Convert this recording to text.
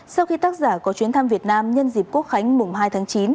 sau khi tác giả có chuyến thăm việt nam nhân dịp quốc khánh mùng hai tháng chín